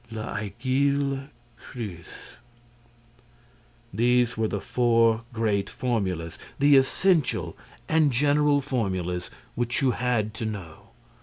L'Aiguille creuse."_ These were the four great formulas, the essential and general formulas which you had to know.